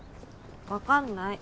わかんない。